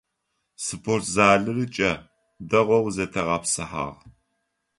Спортзалыри кӏэ, дэгъоу зэтегъэпсыхьагъ.